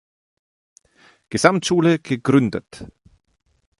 Gesamtschule gegründet.